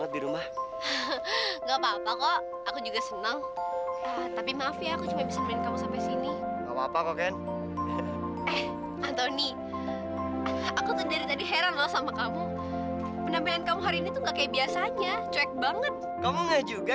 gue pulang sekarang aja